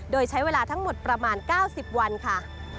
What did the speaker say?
โดยใช้เวลาทั้งหมดประมาณ๙๐วันค่ะ